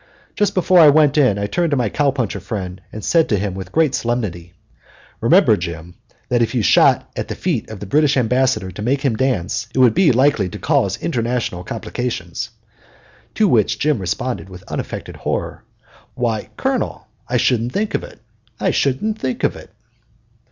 Just before we went in I turned to my cow puncher friend and said to him with great solemnity, "Remember, Jim, that if you shot at the feet of the British Ambassador to make him dance, it would be likely to cause international complications"; to which Jim responded with unaffected horror, "Why, Colonel, I shouldn't think of it, I shouldn't think of it!"